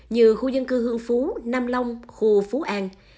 như khu dân cư hương phú nam long khu phú an